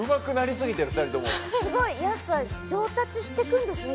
すごい！やっぱ上達していくんですね